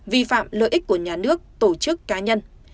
vi phạm lợi ích của nhà nước tổ chức cá nhân